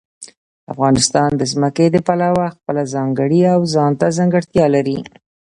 افغانستان د ځمکه د پلوه خپله ځانګړې او ځانته ځانګړتیا لري.